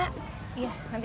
aku berangkat dulu